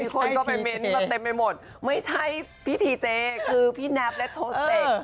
คนก็ไปเม้นต์มาเต็มไปหมดไม่ใช่พี่ทีเจคือพี่แนบและโทสเต็ก